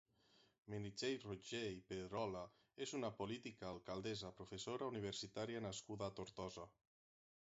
Meritxell Roigé i Pedrola és una política, alcaldessa, professora universitària nascuda a Tortosa.